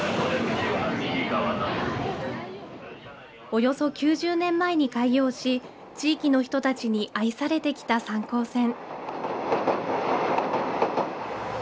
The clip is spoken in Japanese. およそ９０年前に開業し地域の人たちに愛されてきた三江線。